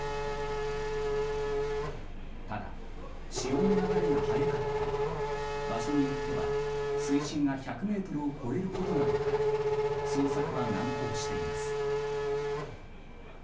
ただ潮の流れが速かったり場所によっては水深が１００ｍを超えることなどから捜索は難航しています。